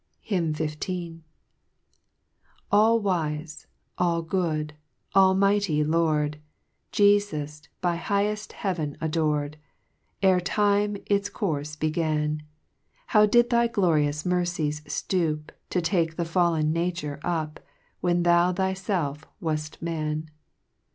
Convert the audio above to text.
HYMN XV. 1 A LL WJSE, all good, almighty Lord, J_JL Jesus, by higheft heaven ador'd, Ere time its courfe began, How did thy glorious mercy ftoop, To take the fallen nature up, When thou thyfelf waft man